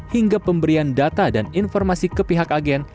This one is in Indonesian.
hingga pemberian data dan informasi ke pihak agen